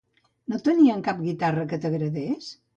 No tenien cap guitarra que t'agradés?